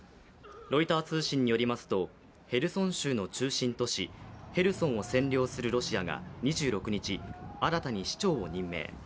ロイター通信によりますとヘルソン州の中心都市ヘルソンを占領するロシアが２６日、新たに市長を任命。